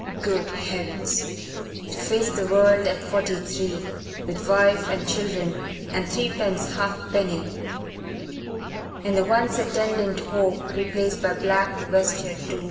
Good Heavens! To face the world at forty three, with wife and children and threepence halfpenny, and the once attendant hope replaced by black vestured doom!